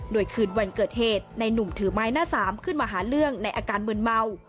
โดยคืนวันเกิดเหตุในหนุ่มถือไม้หน้าสามขึ้นมาหาเรื่องในอาการมืนเมา